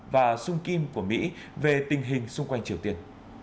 và sung kim của mỹ về tình hình xung quanh triều tiên